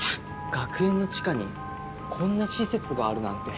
学園の地下にこんな施設があるなんて。